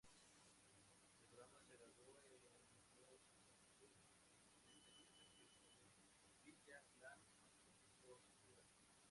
El programa se grabó en los majestuosos e imponentes paisajes de Villa La Angostura.